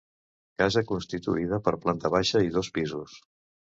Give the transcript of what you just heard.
Casa constituïda per planta baixa i dos pisos.